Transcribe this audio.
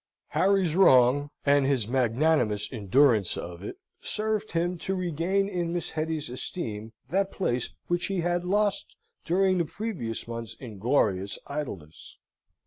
Harry's wrong, and his magnanimous endurance of it, served him to regain in Miss Hetty's esteem that place which he had lost during the previous months' inglorious idleness.